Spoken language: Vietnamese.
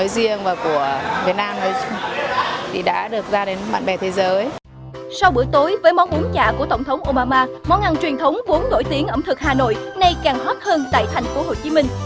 sau buổi tối với món uống dạ của tổng thống obama món ăn truyền thống vốn nổi tiếng ẩm thực hà nội nay càng hot hơn tại thành phố hồ chí minh